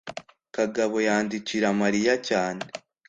kagabo yandikira mariya cyane